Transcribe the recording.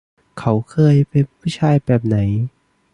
เขาเคยเป็นผู้ชายแบบไหน